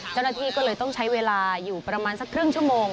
เจ้าหน้าที่ก็เลยต้องใช้เวลาอยู่ประมาณสักครึ่งชั่วโมง